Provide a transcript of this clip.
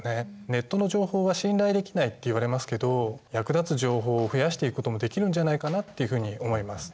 ネットの情報は信頼できないっていわれますけど役立つ情報を増やしていくこともできるんじゃないかなっていうふうに思います。